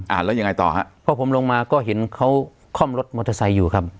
แล้วยังไงต่อฮะพอผมลงมาก็เห็นเขาค่อมรถมอเตอร์ไซค์อยู่ครับ